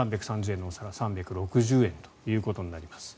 ３３０円のお皿３６０円ということになります。